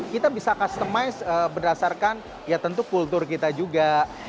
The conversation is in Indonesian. kita bisa customize berdasarkan ya tentu kultur kita juga